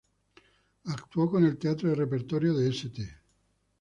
Actuó con el teatro de repertorio de St.